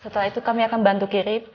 setelah itu kami akan bantu kirim